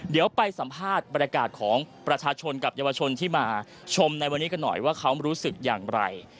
เดี๋ยวไปสัมภาษณ์บรรยากาศของประชาชนกับเยาวชนที่มาชมในวันนี้กันหน่อยว่าเขารู้สึกอย่างไร